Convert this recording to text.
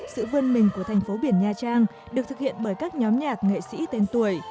sự vươn mình của thành phố biển nha trang được thực hiện bởi các nhóm nhạc nghệ sĩ tên tuổi